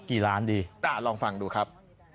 กี่ล้านดีลองฟังดูครับ